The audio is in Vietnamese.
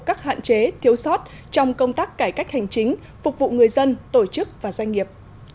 các hạn chế thiếu sót trong công tác cải cách hành chính phục vụ người dân tổ chức và doanh nghiệp